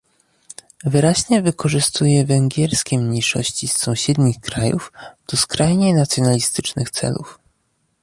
Wyraźnie wykorzystuje węgierskie mniejszości z sąsiednich krajów do skrajnie nacjonalistycznych celów